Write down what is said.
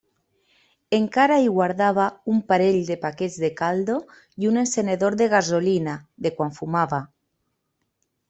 Encara hi guardava un parell de paquets de caldo i un encenedor de gasolina, de quan fumava.